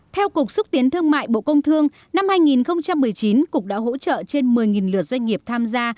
theo cục xúc tiến thương mại bộ công thương năm hai nghìn một mươi chín cục đã hỗ trợ trên một mươi lượt doanh nghiệp tham gia